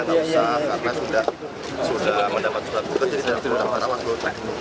tak usah karena sudah mendapat surat tugas jadi sudah dapat